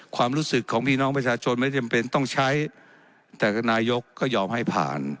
ความรู้สึกของพี่น้องประชาชนไม่จำเป็นต้องใช้แต่นายกก็ยอมให้ผ่าน